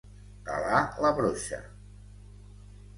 Calar la brotxa.